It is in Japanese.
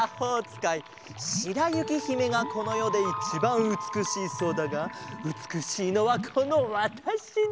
しらゆきひめがこのよでいちばんうつくしいそうだがうつくしいのはこのわたしだ。